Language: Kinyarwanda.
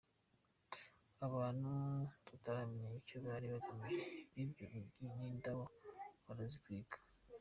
Abantu tutaramenya icyo bari bagamije bibye urugi n’indabo barazitwika.